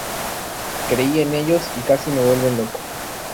Creí en ellos y casi me vuelven loco.